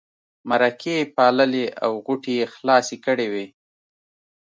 مرکې یې پاللې او غوټې یې خلاصې کړې وې.